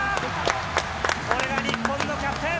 これが日本のキャプテン。